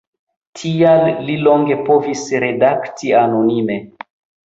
Tial li longe povis redakti anonime.